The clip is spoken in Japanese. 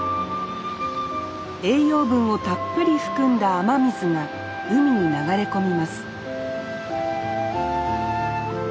栄養分をたっぷり含んだ雨水が海に流れ込みます